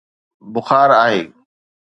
بخار آهي.